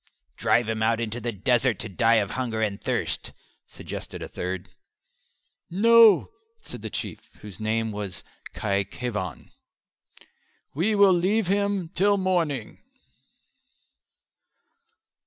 "Drive him out into the desert to die of hunger and thirst," suggested a third. "No," said the Chief, whose name was Khy Khevan, "we will leave him till the morning."